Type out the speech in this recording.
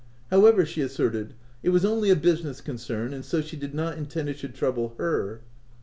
However, she asserted, it was only a business concern, and so she did not intend it should trouble her.